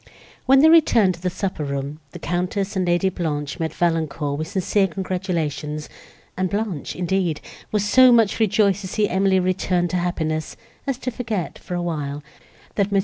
When they returned to the supper room, the Countess and Lady Blanche met Valancourt with sincere congratulations; and Blanche, indeed, was so much rejoiced to see Emily returned to happiness, as to forget, for a while, that Mons.